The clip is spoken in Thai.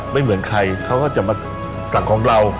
ไม่เหมือนใครเขาก็จะมาสักของเรา